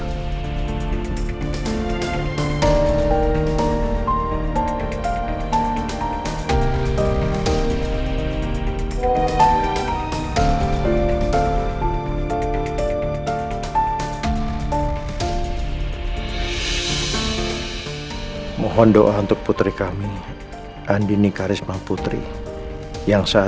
aku akan berusaha untuk memperbaiki rumah tangga aku